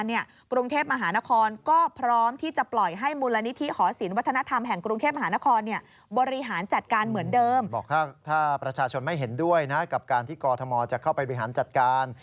ที่กอทมจะเข้าไปบริหารจัดการ